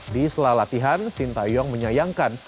di setelah latihan sinta yong menyayangkan